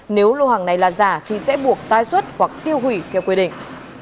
nếu lô hàng này là giả thì sẽ buộc tai xuất hoặc tiêu hủy theo quy định